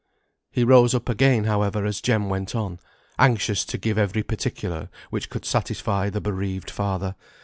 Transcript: He rose up again, however, as Jem went on, anxious to give every particular which could satisfy the bereaved father.